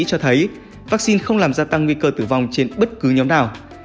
cho thấy vắc xin không làm gia tăng nguy cơ tử vong trên bất cứ nhóm nào